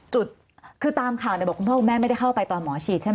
จุดคือตามข่าวเนี่ยบอกคุณพ่อคุณแม่ไม่ได้เข้าไปตอนหมอฉีดใช่ไหม